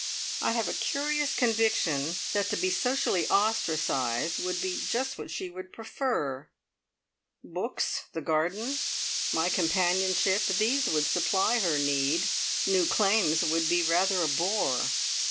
I have a curious conviction that to be socially ostracised would be just what she would prefer. Books, the garden, my companionship these would supply her need. New claims would be rather a bore.